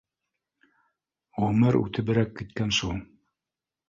— Ғүмер үтеберәк киткән шул